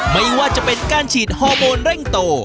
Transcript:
ไม่ว่าจะเป็นการฉีดฮอร์โมนเร่งโต